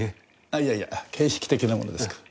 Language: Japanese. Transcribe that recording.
あっいやいや形式的なものですから。